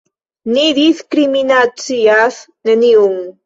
Ni diskriminacias neniun!